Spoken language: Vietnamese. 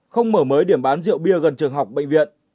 không mở mới điểm bán rượu bia gần trường học bệnh viện